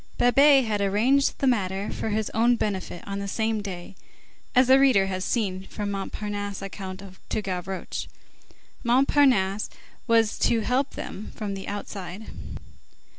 Babet had arranged the matter for his own benefit, on the same day, as the reader has seen from Montparnasse's account to Gavroche. Montparnasse was to help them from outside.